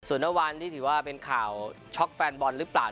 ส่วนนวันที่ถือว่าเป็นข่าวช็อกแฟนบอลหรือเปล่า